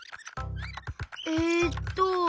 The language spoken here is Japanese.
えっと。